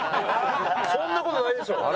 そんな事ないでしょ！